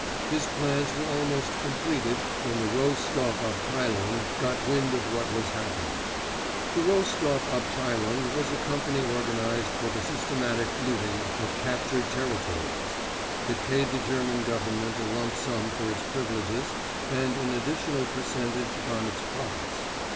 His plans were almost completed, when the Roh Stoff Abteilung got wind of what was happening. The Roh Stoff Abteilung was a company organized for the systematic looting of captured territories. It paid the German Government a lump sum for its privileges and an additional percentage on its profits.